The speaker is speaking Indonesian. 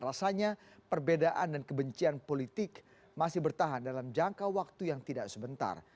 rasanya perbedaan dan kebencian politik masih bertahan dalam jangka waktu yang tidak sebentar